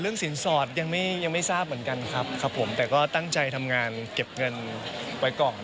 สินสอดยังไม่ยังไม่ทราบเหมือนกันครับครับผมแต่ก็ตั้งใจทำงานเก็บเงินไว้ก่อน